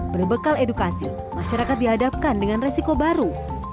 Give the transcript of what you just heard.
berbekal edukasi masyarakat dihadapkan dengan resiko baru